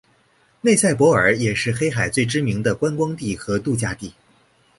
内塞伯尔也是黑海最知名的观光地和度假地。